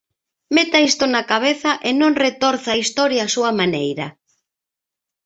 Meta isto na cabeza e non retorza a historia á súa maneira.